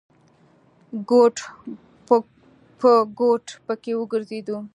ګوټ په ګوټ پکې وګرځېدو.